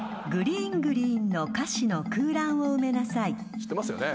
知ってますよね？